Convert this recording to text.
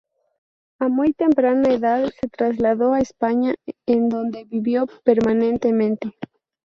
A muy temprana edad se trasladó a España en donde vivió permanentemente.